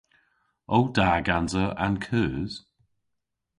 O da gansa an keus?